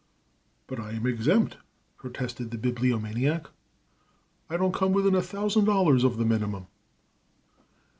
"But I am exempt," protested the Bibliomaniac. "I don't come within a thousand dollars of the minimum."